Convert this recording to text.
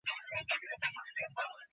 তিনি তখন জেনকে ভুলে উঠতে পারেননি।